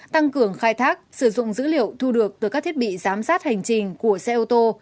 tăng cường khai thác sử dụng dữ liệu thu được từ các thiết bị giám sát hành trình của xe ô tô